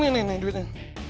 ini nih duitnya